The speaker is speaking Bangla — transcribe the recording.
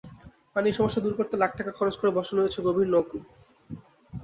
পানির সমস্যা দূর করতে লাখ টাকা খরচ করে বসানো হয়েছে গভীর নলকূপ।